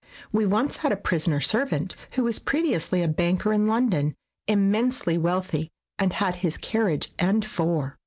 We once had a prisoner servant who was previously a banker in London, immensely wealthy, and had his carriage and four.